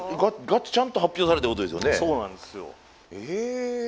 ガチちゃんと発表されてるってことですよね？